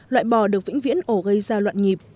loại bò được vĩnh viễn ổ